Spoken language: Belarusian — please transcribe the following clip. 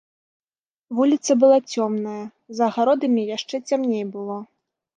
Вуліца была цёмная, за агародамі яшчэ цямней было.